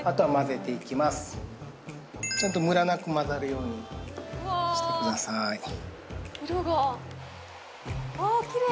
ちゃんとムラなく混ざるようにしてください色がああ綺麗！